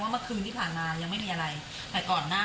เมื่อคืนที่ผ่านมายังไม่มีอะไรแต่ก่อนหน้า